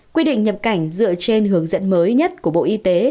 quy định nhập cảnh dựa trên hướng dẫn mới nhất của bộ y tế